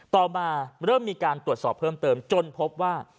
ต่อมาเริ่มมีการตรวจสอบเพิ่มเติมจนพบว่า